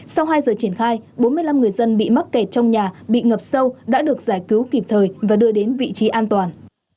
sau hai giờ triển khai bốn mươi năm người dân bị mắc kẹt trong nhà bị ngập sâu đã được giải cứu kịp thời và đưa đến vị trí an toàn